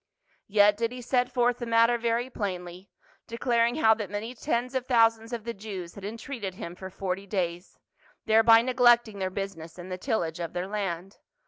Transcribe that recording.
Yet did he set forth the matter very plainly, declaring how that many tens of thousands of the Jews had en treated him for forty days, thereby neglecting their business and the tillage of their land.